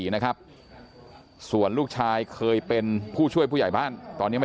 นะครับส่วนลูกชายเคยเป็นผู้ช่วยผู้ใหญ่บ้านตอนนี้ไม่